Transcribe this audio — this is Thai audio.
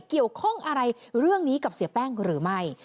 เกี่ยวข้องอะไรเรื่องนี้กับเสียแป้งหรือไม่